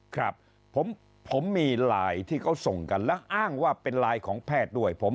ครับผมมีไลน์ที่เขาส่งกันแล้วอ้างว่าเป็นไลน์ของแพทย์ด้วย